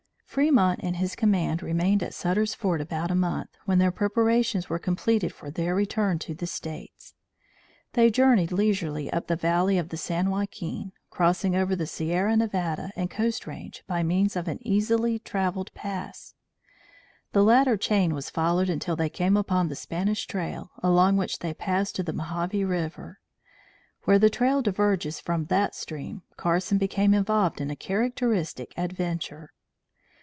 Fremont and his command remained at Sutter's Fort about a month, when their preparations were completed for their return to the States. They journeyed leisurely up the valley of the San Joaquin, crossing over the Sierra Nevada and Coast Range by means of an easily travelled pass. The latter chain was followed until they came upon the Spanish trail, along which they passed to the Mohave River. Where the Trail diverges from that stream, Carson became involved in a characteristic adventure.